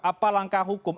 apa langkah hukum